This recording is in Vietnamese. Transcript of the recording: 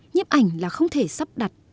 nhiếp ảnh là không thể sắp đặt